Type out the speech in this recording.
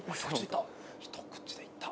・ひと口でいった！